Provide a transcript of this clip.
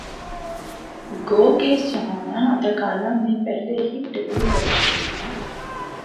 گوکہ سہانا اداکاری میں پہلے ہی ڈیبیو کرچکی ہیں